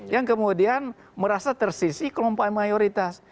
yang kemudian merasa tersisih kelompok mayoritas